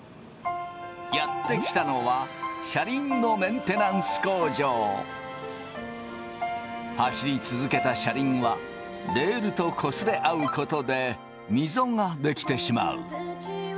やって来たのは走り続けた車輪はレールとこすれ合うことでミゾが出来てしまう。